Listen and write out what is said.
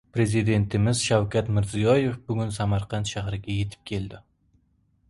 Prezidentimiz Shavkat Mirziyoev bugun Samarqand shahriga yetib keldi.